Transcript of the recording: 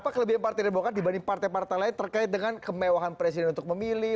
apa kelebihan partai demokrat dibanding partai partai lain terkait dengan kemewahan presiden untuk memilih